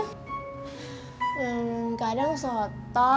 hmm kadang soto